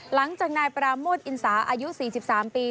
หลังจากนายปราโมทอินสาอายุ๔๓ปี